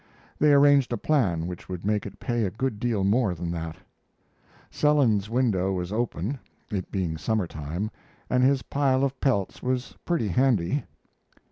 They arranged a plan which would make it pay a good deal more than that. Selins's window was open, it being summer time, and his pile of pelts was pretty handy.